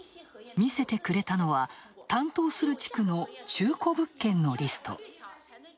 見せてくれたのは、担当する地区の中古物件のリスト。